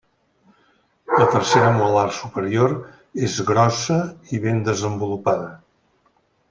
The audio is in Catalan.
La tercera molar superior és grossa i ben desenvolupada.